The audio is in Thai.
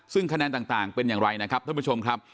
ซึ่งคะแนนต่างเป็นอย่างไรนะครับท่านผู้ชมครับ